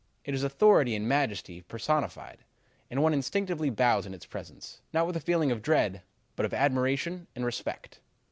It is authority and majesty personified, and one instinctively bows in its presence, not with a feeling of dread, but of admiration and respect.'